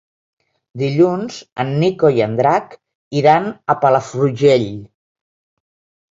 Dilluns en Nico i en Drac iran a Palafrugell.